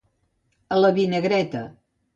A la vinagreta.